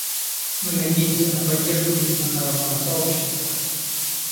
Мы надеемся на поддержку международного сообщества.